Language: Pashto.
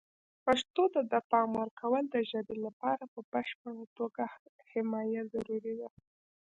پښتو ته د پام ورکول د ژبې لپاره په بشپړه توګه حمایه ضروري ده.